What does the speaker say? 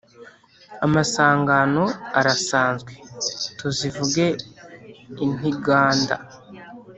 Amasangano arasanzwe, tuzivuge intiganda